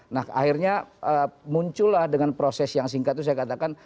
nah akhirnya muncullah dengan proses yang singkat itu saya katakan